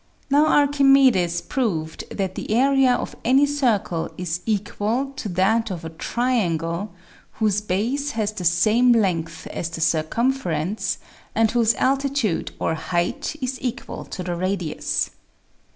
Now Archimedes proved that the area of any circle is equal to that of a triangle whose base has the same length as the circumference and whose altitude or height is equal to the radius.